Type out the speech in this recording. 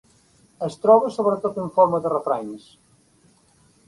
Es troba sobretot en forma de refranys.